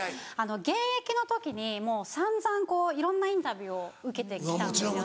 現役の時にもう散々いろんなインタビューを受けてきたんですよね。